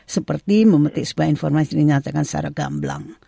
seperti memetik sebuah informasi yang dinyatakan secara gamblang